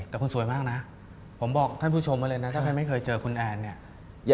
แต่คนสวยมากนะผมบอกท่านผู้ชมไว้เลยนะถ้าใครไม่เคยเจอคุณแอนเนี่ย